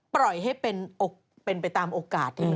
ปล่อยให้เป็นไปตามโอกาส